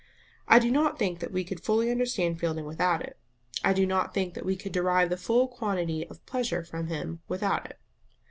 I do not think that we could fully understand Fielding without it; I do not think that we could derive the full quantity of pleasure from him without it.